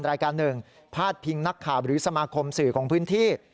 รายการหนึ่งพาดพิงนักข่าวหรือสมาคมสื่อของพื้นที่